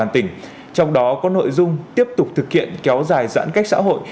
trong đó có nội dung tiếp tục thực hiện kéo dài giãn cách xã hội